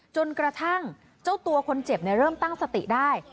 จนกระทั่งเจ้าตัวคนเจ็บเริ่มตั้งสติได้